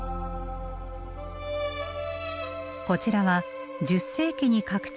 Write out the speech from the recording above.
こちらは１０世紀に拡張された部分。